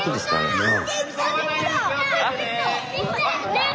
ねえ。